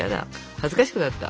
恥ずかしくなった。